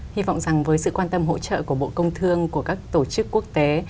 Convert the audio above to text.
hy vọng rằng với sự quan tâm hỗ trợ của bộ công thương của các tổ chức quốc tế